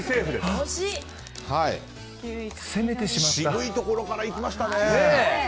渋いところからいきましたね。